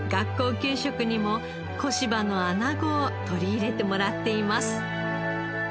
給食にも小柴のアナゴを取り入れてもらっています。